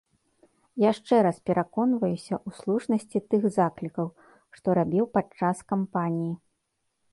Яшчэ раз пераконваюся ў слушнасці тых заклікаў, што рабіў падчас кампаніі.